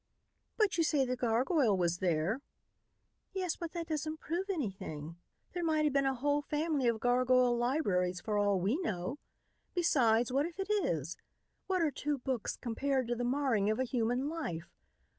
"But you say the gargoyle was there." "Yes, but that doesn't prove anything. There might have been a whole family of gargoyle libraries for all we know. Besides, what if it is? What are two books compared to the marring of a human life?